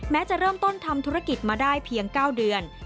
จะเริ่มต้นทำธุรกิจมาได้เพียง๙เดือน